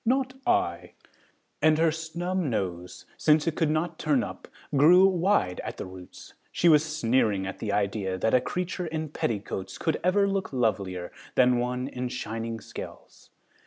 Not I" and her snub nose since it could not turn up grew wide at the roots. She was sneering at the idea that a creature in petticoats could ever look lovelier than one in shining scales.